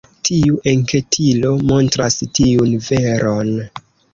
Tiu enketilo montras tiun veron.